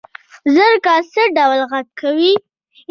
زرکه څه ډول غږ کوي؟